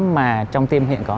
mà trong team hiện có